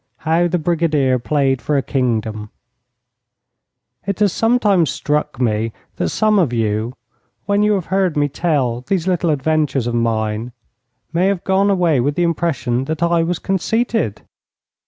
HOW THE BRIGADIER PLAYED FOR A KINGDOM It has sometimes struck me that some of you, when you have heard me tell these little adventures of mine, may have gone away with the impression that I was conceited.